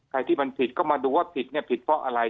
ใครที่มันผิดก็มาดูว่าผิดเพราะอะไร